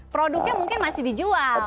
produknya mungkin masih dijual